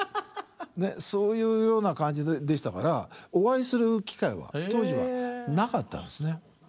そういうような感じでしたからお会いする機会は当時はなかったんですね。